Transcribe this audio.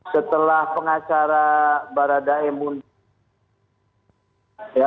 setelah pengacara barat dae mundur